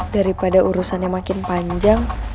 daripada urusannya makin panjang